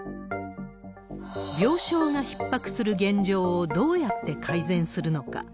病床がひっ迫する現状をどうやって改善するのか。